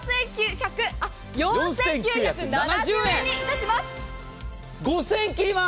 ４９７０円にいたします。